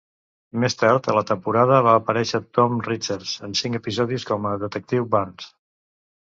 Més tard a la temporada va aparèixer Tom Richards en cinc episodis com a Detectiu Burns.